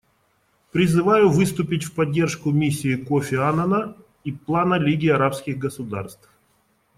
Призываю выступить в поддержку миссии Кофи Аннана и плана Лиги арабских государств.